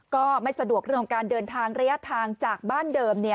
ก็ไม่สะดวกเรื่องของการเดินทางระยะทางจากบ้านเดิม